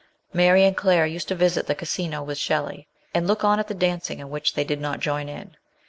Mary and Claire used to visit the Casino with Shelley, and look on at the dancing in which they did not join.